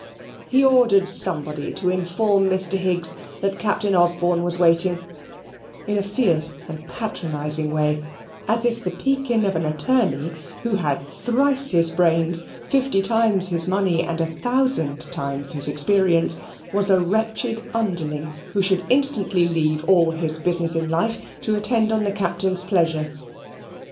He ordered somebody to inform Mr. Higgs that Captain Osborne was waiting, in a fierce and patronizing way, as if the pekin of an attorney, who had thrice his brains, fifty times his money, and a thousand times his experience, was a wretched underling who should instantly leave all his business in life to attend on the Captain's pleasure.